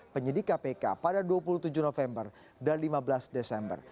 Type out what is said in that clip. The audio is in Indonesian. penyidik kpk pada dua puluh tujuh november dan lima belas desember